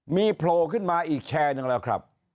มีโผล่ขึ้นมาอีกแชร์หนึ่งแล้วครับ